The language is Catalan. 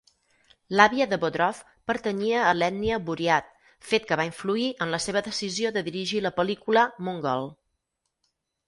L'àvia de Bodrov pertanyia a l'ètnia buryat, fet que va influir en la seva decisió de dirigir la pel·lícula "Mongol".